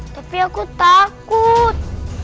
tapi aku takut